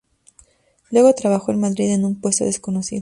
Luego trabajó en Madrid en un puesto desconocido.